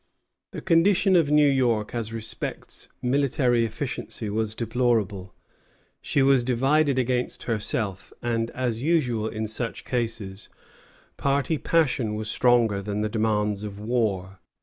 The condition of New York as respects military efficiency was deplorable. She was divided against herself, and, as usual in such cases, party passion was stronger than the demands of war.